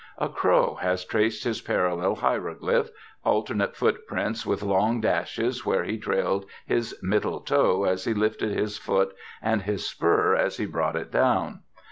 A crow has traced his parallel hieroglyph, alternate footprints with long dashes where he trailed his middle toe as he lifted his foot and his spur as he brought it down.